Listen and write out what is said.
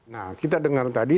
nah kita dengar tadi